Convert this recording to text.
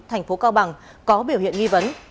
thành phố cao bằng có biểu hiện nghi vấn